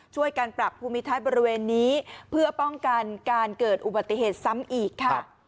ช่วยกันปรับภูมิทัศน์บริเวณนี้เพื่อป้องกันการเกิดอุบัติเหตุซ้ำอีกค่ะ